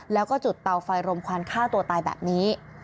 แล้วก็จุดเตาไฟรมควันฆ่าตัวตายแบบนี้